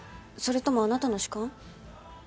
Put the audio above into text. それともあなたの主観？